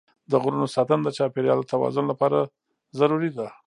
د غرونو ساتنه د چاپېریال د توازن لپاره ضروري ده.